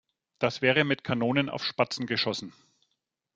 Das wäre mit Kanonen auf Spatzen geschossen.